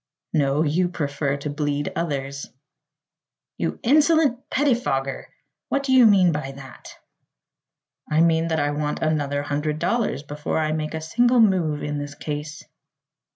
"No; you prefer to bleed others." "You insolent pettifogger! What do you mean by that?" "I mean that I want another hundred dollars before I make a single move in this case."